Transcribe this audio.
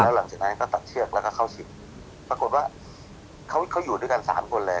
หลังจากนั้นก็ตัดเชือกแล้วก็เข้าสิงปรากฏว่าเขาอยู่ด้วยกันสามคนเลย